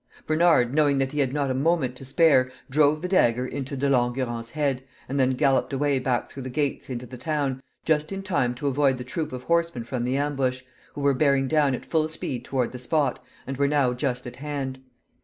Bernard, knowing that he had not a moment to spare, drove the dagger into De Langurant's head, and then galloped away back through the gates into the town, just in time to avoid the troop of horsemen from the ambush, who were bearing down at full speed toward the spot, and were now just at hand.